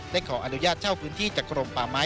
ขออนุญาตเช่าพื้นที่จากกรมป่าไม้